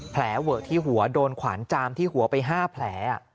แผลเวอะที่หัวโดนขวานจามที่หัวไป๕แผล